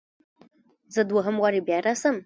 زه دوهم واري بیا راسم؟